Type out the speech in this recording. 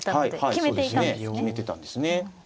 決めてたんですね。